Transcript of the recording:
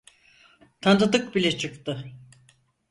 Tanıdık bile çıktı.